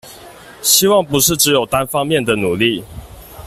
希望不是只有單方面的努力